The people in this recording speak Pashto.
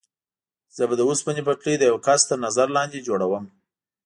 زه به د اوسپنې پټلۍ د یوه کس تر نظر لاندې جوړوم.